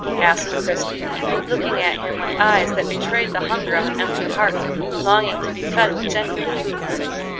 asked Christie, looking at him with eyes that betrayed the hunger of an empty heart longing to be fed with genuine food.